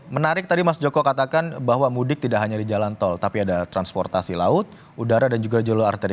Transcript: menarik tadi mas joko katakan bahwa mudik tidak hanya di jalan tol tapi ada transportasi laut udara dan juga jalur arteri